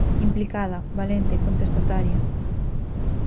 Implicada, valente, contestataria.